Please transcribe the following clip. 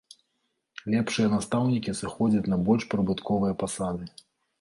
Лепшыя настаўнікі сыходзяць на больш прыбытковыя пасады.